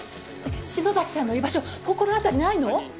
篠崎さんの居場所心当たりないの？